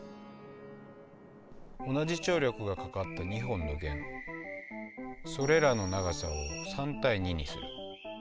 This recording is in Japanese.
同じ張力がかかった２本の弦それらの長さを３対２にする。